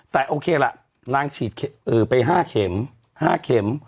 ล้างฉีดไป๕เข็ม